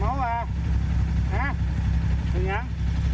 เมาหรือเปล่าอ่ะเป็นยัง